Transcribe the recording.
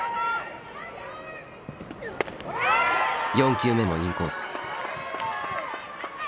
４球目もインコース。